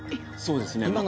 そうですね。